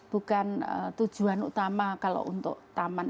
bukan tujuan utama kalau untuk taman